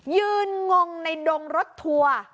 งงในดงรถทัวร์